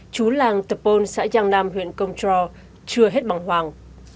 chú làng tepon xã giang nam huyện công tro chưa hết bằng hoàng